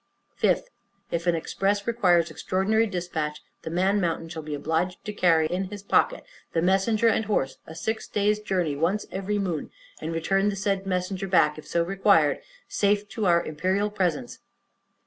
5th. If an express requires extraordinary dispatch, the Man Mountain shall be obliged to carry in his pocket the messenger and horse a six days' journey once in every moon, and return the said messenger back (if so required) safe to our imperial presence.